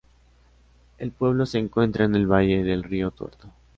El pueblo se encuentra en el valle del río Tuerto.